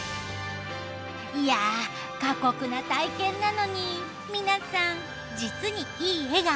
いや過酷な体験なのに皆さん実にいい笑顔。